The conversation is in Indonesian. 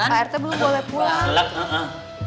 pak rt belum boleh pulang